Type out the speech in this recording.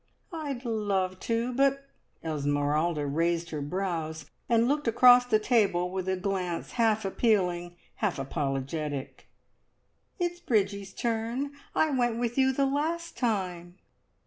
"I'd love to, but " Esmeralda raised her brows, and looked across the table with a glance half appealing, half apologetic "it's Bridgie's turn! I went with you the last time."